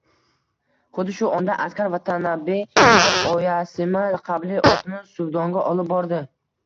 Xuddi shu onda askar Vatanabe ham Oyasima laqabli otini suvdonga olib bordi